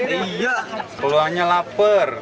iya keluarnya lapar